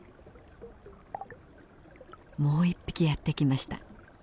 もう一匹やって来ました。